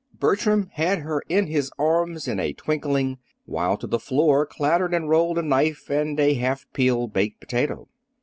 Bertram had her in his arms in a twinkling, while to the floor clattered and rolled a knife and a half peeled baked potato.